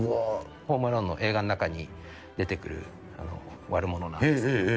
ホーム・アローンの映画の中に出てくる、悪者なんですけど。